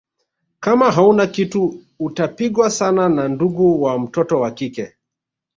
Kama hauna kitu utapigwa sana na ndugu wa mtoto wa kike